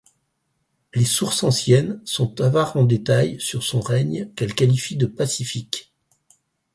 Les sources anciennes sont avares en détails sur son règne, qu'elles qualifient de pacifique.